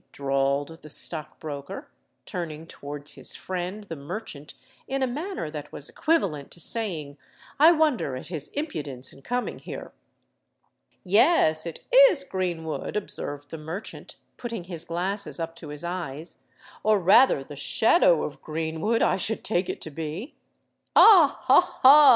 drawled the stockbroker, turning towards his friend the merchant in a manner that was equivalent to saying, "I wonder at his impudence in coming here." "Yes—it is Greenwood," observed the merchant, putting his glasses up to his eyes: "or rather the shadow of Greenwood, I should take it to be." "Ah! ha! ha!"